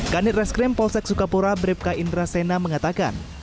kanit reskrim polsek sukapura bribka indra sena mengatakan